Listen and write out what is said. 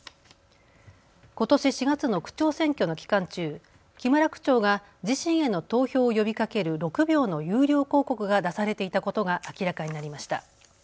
ことし４月の区長選挙の期間中、木村区長が自身への投票を呼びかける６秒の有料広告が出されていたことが明らかになりました。